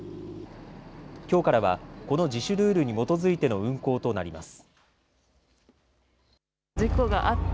きょうからはこの自主ルールに基づいての運航となります。